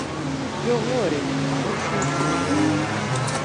Coğorik, O şoto!